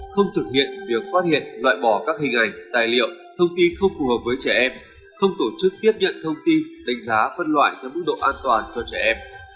không thực hiện việc phát hiện loại bỏ các hình ảnh tài liệu thông tin không phù hợp với trẻ em không tổ chức tiếp nhận thông tin đánh giá phân loại theo mức độ an toàn cho trẻ em